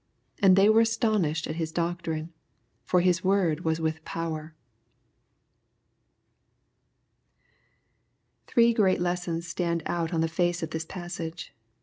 88 And they^ were astoniahed at hia doetrine: fiir hia word waa with power. Thbke great lessons stand oat on the face of this passage.